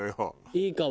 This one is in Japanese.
いいかも。